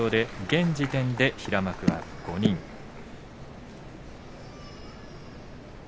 現時点で平幕は５人です。